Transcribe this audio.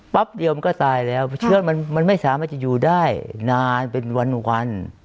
เดียวมันก็ตายแล้วเชื้อมันไม่สามารถจะอยู่ได้นานเป็นวัน